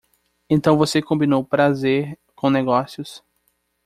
Então você combinou prazer com negócios!